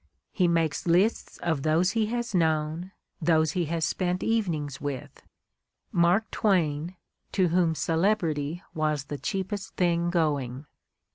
He makes lists of those he has known, those he has spent evenings with — Mark Twain, to whom celebrity was the cheapest thing going